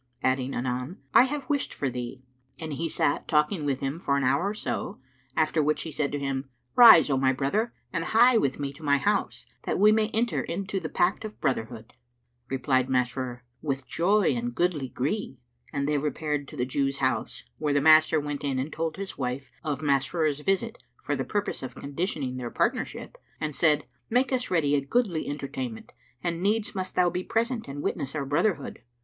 adding anon, "I have wished for thee;" and he sat talking with him for an hour or so, after which he said to him, "Rise, O my brother, and hie with me to my house, that we may enter into the pact of brotherhood."[FN#347] Replied Masrur, "With joy and goodly gree," and they repaired to the Jew's house, where the master went in and told his wife of Masrur's visit, for the purpose of conditioning their partnership, and said, "Make us ready a goodly entertainment, and needs must thou be present and witness our brotherhood."